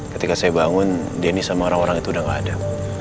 ketika saya bangun dennis sama orang orang itu sudah tidak ada